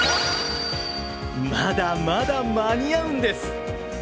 まだまだ間に合うんです。